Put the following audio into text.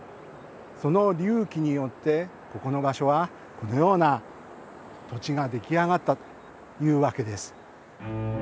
その隆起によってここの場所はこのような土地が出来上がったというわけです。